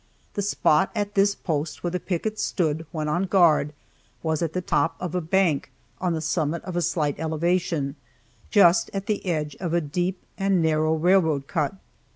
The spot at this post where the picket stood when on guard was at the top of a bank on the summit of a slight elevation, just at the edge of a deep and narrow railroad cut.